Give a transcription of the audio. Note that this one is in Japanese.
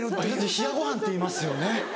「冷やご飯」っていいますよね。